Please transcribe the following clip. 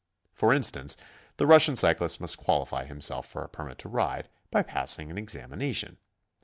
For instance, the Rus sian cyclist must qualify himself for a permit to ride, by passing an examination.